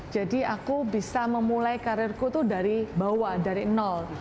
jadi aku bisa memulai karirku tuh dari bawah dari nol